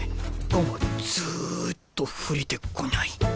オカンはずっと触れてこない。